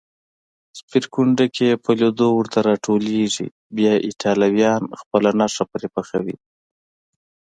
سپېرکونډکې یې په لېدو ورته راټولېږي، بیا ایټالویان خپله نښه پرې پخوي.